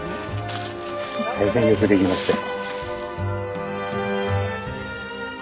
大変よくできましたよ。